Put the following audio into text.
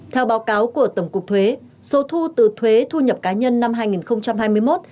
theo báo cáo của tổng cục thuế số thu từ thuế thu nhập cá nhân năm hai nghìn hai mươi một